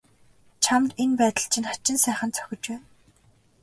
Чамд энэ байдал чинь хачин сайхан зохиж байна.